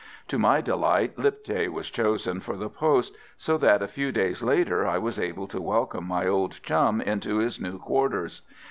To my delight Lipthay was chosen for the post, so that a few days later I was able to welcome my old chum into his new quarters.